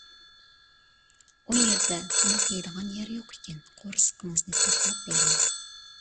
ئۇ يەردە تاماق يەيدىغان يەر يوق ئىكەن، قورسىقىڭىزنى توقلاپ بېرىڭ.